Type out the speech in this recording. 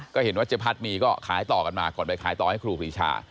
ก็เห็นว่าเจ๊พัดมีก็ขายต่อกันมาก่อนไปขายต่อให้ครูปรีชา